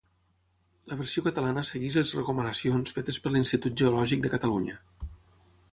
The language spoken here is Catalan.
La versió catalana segueix les recomanacions fetes per l'Institut Geològic de Catalunya.